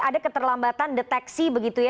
ada keterlambatan deteksi begitu